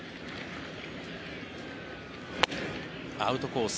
アウトコース